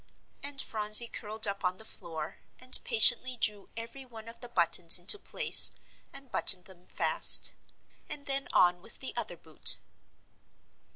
And Phronsie curled up on the floor, and patiently drew every one of the buttons into place, and buttoned them fast. And then on with the other boot.